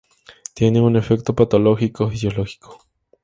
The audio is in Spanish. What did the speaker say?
Tiene un efecto patológico o fisiológico.